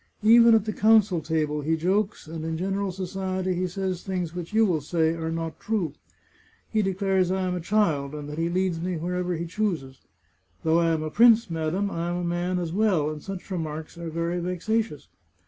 Even at the council table he jokes, and in general society he says things which you will say are not true. He declares I am a child, and that he leads me wher ever he chooses. Though I am a prince, madam, I am a man as well, and such remarks are very vexatious.